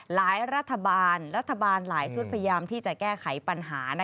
รัฐบาลรัฐบาลหลายชุดพยายามที่จะแก้ไขปัญหา